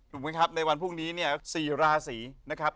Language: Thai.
ครับในวันพรุ่งนี้เนี่ย๔ราศีนะครับ